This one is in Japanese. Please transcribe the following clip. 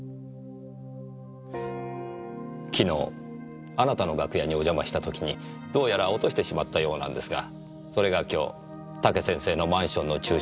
昨日あなたの楽屋にお邪魔した時にどうやら落としてしまったようなんですがそれが今日武先生のマンションの駐車場でみつかった。